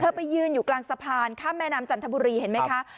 ไปยืนอยู่กลางสะพานข้ามแม่น้ำจันทบุรีเห็นไหมคะ